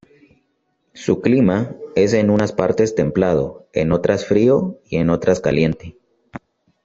Su clima, es en unas partes templado, en otras frío y en otras caliente.